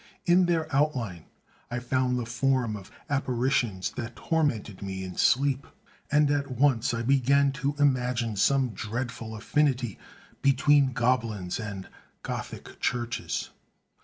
In their outline I found the form of apparitions that tormented me in sleep; and at once I began to imagine some dreadful affinity between goblins and Gothic churches.